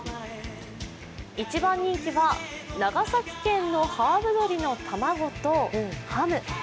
一番人気は長崎県のハーブ鶏の卵とハム。